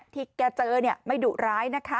ที่แกเจอไม่ดุร้าย